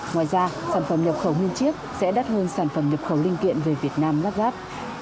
ngoài ra sản phẩm nhập khẩu huyên chiếc sẽ đắt hơn sản phẩm nhập khẩu linh kiện về việt nam lát rát